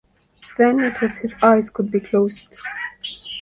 Then it was his eyes could be closed.